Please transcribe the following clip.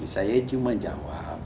saya hanya menjawab